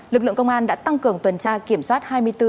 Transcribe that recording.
lực lượng công an đã tăng cường tuần tra kiểm soát hai mươi bốn h